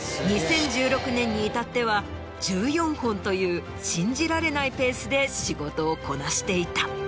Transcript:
２０１６年に至っては１４本という信じられないペースで仕事をこなしていた。